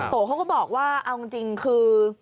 โตเขาก็บอกว่าเอาจริงคือ